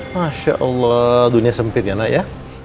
masya allah dunia sempit ya nak ya